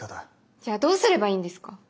じゃあどうすればいいんですか？